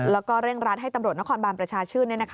แล้วก็เร่งรัดให้ตำรวจนครบานประชาชื่น